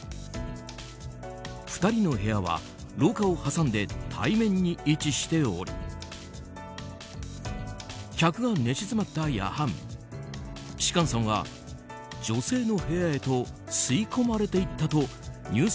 ２人の部屋は廊下を挟んで対面に位置しており客が寝静まった夜半芝翫さんは女性の部屋へと吸い込まれていったとＮＥＷＳ